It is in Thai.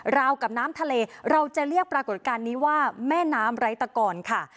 ราวกับน้ำทะเลเราจะเรียกปรากฏการณ์นี้ว่าแม่น้ำไร้ตะกรค่ะ